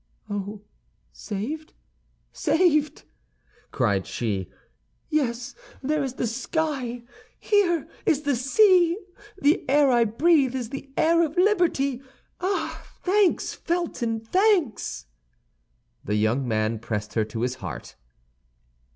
"Oh, saved, saved!" cried she. "Yes, there is the sky; here is the sea! The air I breathe is the air of liberty! Ah, thanks, Felton, thanks!" The young man pressed her to his heart.